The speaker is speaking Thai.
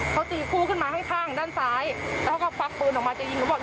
เขาตีคู่ขึ้นมาให้ข้างด้านซ้ายแล้วก็ฟักปืนออกมาจะยิงหนูบอกอย่ายิง